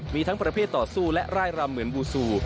มีทั้งประเภทต่อสู้และร่ายรำเหมือนบูซู